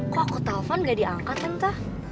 kok aku telfon gak diangkat tante